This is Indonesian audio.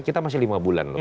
kita masih lima bulan loh